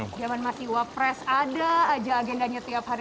zaman masih wapres ada aja agendanya tiap hari